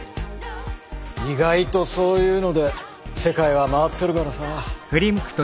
意外とそういうので世界は回ってるからさ。